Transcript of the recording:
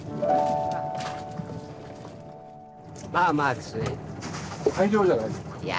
まあまあですね。